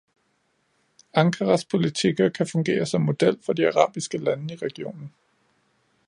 Ankaras politikker kan fungere som model for de arabiske lande i regionen.